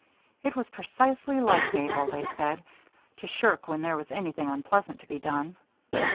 It was precisely like Mabel, they said, to shirk when there was anything unpleasant to be done.